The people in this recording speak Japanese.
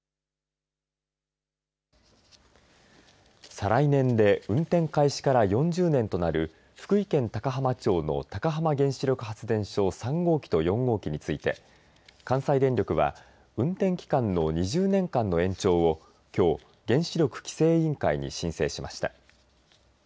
再来年で運転開始から４０年となる福井県高浜町の高浜原子力発電所３号機と４号機について関西電力は運転期間の２０年間の延長をきょう原子力規制委員会に申請しました。